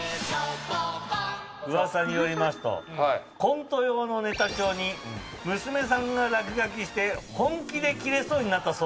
ウワサによりますとコント用のネタ帳に娘さんが落書きして本気でキレそうになったそうです。